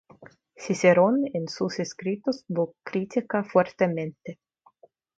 Cicerón en sus escritos lo crítica fuertemente.